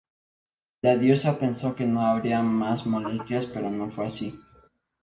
La diosa pensó que no habría más molestias, pero no fue así.